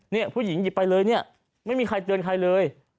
เนี่ยผู้หญิงหยิบไปเลยเนี่ยไม่มีใครเตือนใครเลย